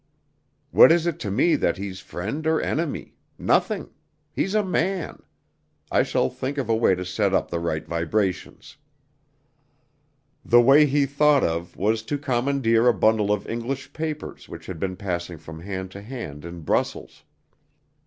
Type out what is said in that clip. What is it to me that he's friend or enemy? Nothing. He's a man. I shall think of a way to set up the right vibrations." The way he thought of was to commandeer a bundle of English papers which had been passing from hand to hand in Brussels.